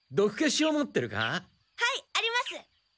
はいあります。